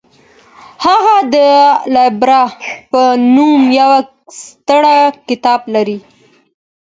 هغه د العبر په نوم يو ستر کتاب لري.